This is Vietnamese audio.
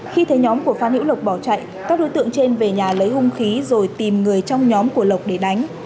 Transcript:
khi thấy nhóm của phan hữu lộc bỏ chạy các đối tượng trên về nhà lấy hung khí rồi tìm người trong nhóm của lộc để đánh